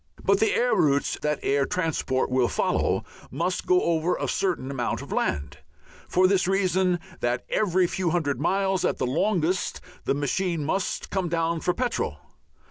But the air routes that air transport will follow must go over a certain amount of land, for this reason that every few hundred miles at the longest the machine must come down for petrol.